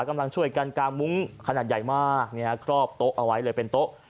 กำลังช่วยกันกางมุ้งขนาดใหญ่มากครอบโต๊ะเอาไว้เลยเป็นโต๊ะ